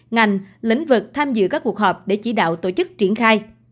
ngành lĩnh vực tham dự các cuộc họp để chỉ đạo tổ chức triển khai